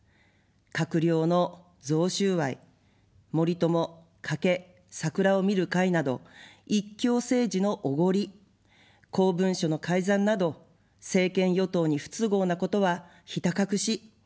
閣僚の贈収賄、森友・加計・桜を見る会など一強政治のおごり、公文書の改ざんなど政権与党に不都合なことはひた隠し。